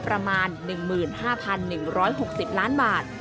ประมาณ๑๕๑๖๐ล้านบาท